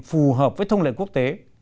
phù hợp với thông lệnh quốc tế